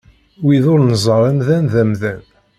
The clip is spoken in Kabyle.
Wid ur neẓẓar amdan d amdan.